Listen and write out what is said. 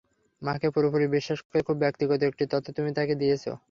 মাকে পুরোপুরি বিশ্বাস করে খুব ব্যক্তিগত একটি তথ্য তুমি তাঁকে দিয়েছ।